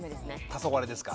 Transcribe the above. たそがれですか？